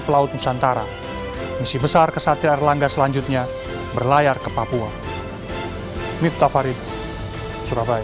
pelaut nusantara misi besar kesatria erlangga selanjutnya berlayar ke papua miftah farid surabaya